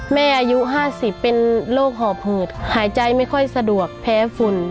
แม่อายุ๕๐เป็นโรคหอบหืดหายใจไม่ค่อยสะดวกแพ้ฝุ่น